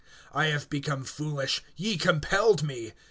(11)I have become foolish; ye compelled me.